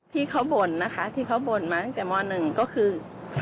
ที่เขาบ่นนะคะที่เขาบ่นมาตั้งแต่ม๑ก็คือ